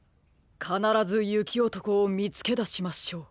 かならずゆきおとこをみつけだしましょう。